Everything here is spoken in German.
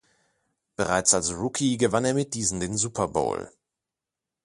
Bereits als Rookie gewann er mit diesen den Super Bowl.